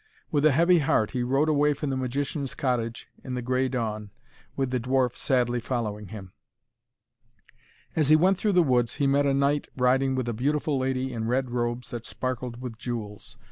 With a heavy heart he rode away from the magician's cottage in the grey dawn, with the dwarf sadly following him. As he went through the woods he met a knight riding with a beautiful lady in red robes that sparkled with jewels.